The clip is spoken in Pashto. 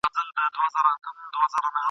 حرص غالب سي عقل ولاړ سي مرور سي ..